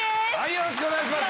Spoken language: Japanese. よろしくお願いします。